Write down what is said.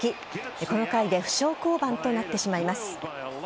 この回で負傷降板となってしまいます。